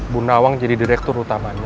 bu nawang jadi direktur utamanya